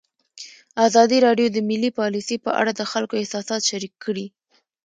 ازادي راډیو د مالي پالیسي په اړه د خلکو احساسات شریک کړي.